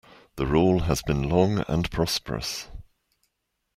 The rule has been long and prosperous.